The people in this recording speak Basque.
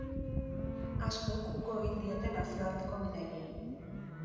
Askok uko egin diete nazioarteko bidaiei.